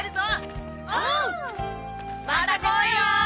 おー！また来いよ！